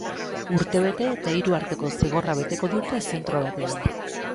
Urtebete eta hiru arteko zigorra beteko dute zentro batean.